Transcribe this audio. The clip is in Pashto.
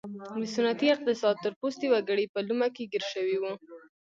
د سنتي اقتصاد تور پوستي وګړي په لومه کې ګیر شوي وو.